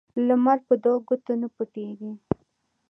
لمر په دوو ګوتو نه پوټیږی.